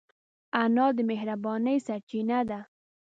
انا د مهربانۍ سرچینه ده